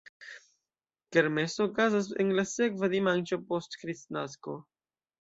Kermeso okazas en la sekva dimanĉo post Kristnasko.